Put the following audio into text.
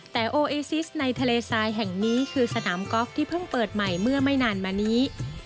แต่โอเอซิสในทะเลทรายแห่งนี้คือสนามกอล์ฟที่เพิ่งเปิดใหม่เมื่อไม่นานมานี้